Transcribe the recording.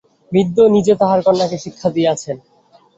বৃদ্ধ নিজে তাঁহার কন্যাকে শিক্ষা দিয়াছেন।